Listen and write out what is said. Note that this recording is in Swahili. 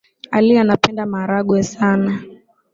Ali anapenda maharagwe sana.